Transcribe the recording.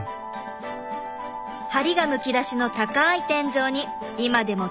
梁がむき出しの高い天井に今でも使えるいろり。